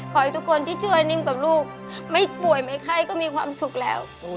ขอให้ทุกคนที่ช่วยนิ่มกับลูกไม่ป่วยไม่ไข้ก็มีความสุขแล้ว